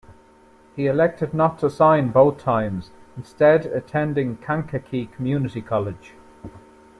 He elected not to sign both times, instead attending Kankakee Community College.